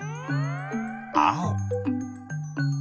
あお。